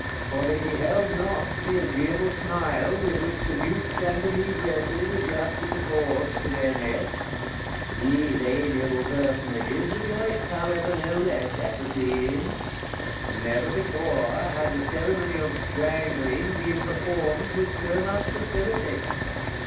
for they beheld not the agreeable smile with which the mutes and the negresses adjusted the cord to their necks: these amiable personages rejoiced, however, no less at the scene. Never before had the ceremony of strangling been performed with so much facility.